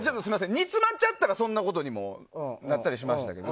煮詰まったらそんなことにもなりましたけど。